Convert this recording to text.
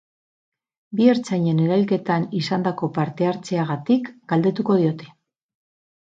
Bi ertzainen erailketan izandako parte-hartzeagatik galdetuko diote.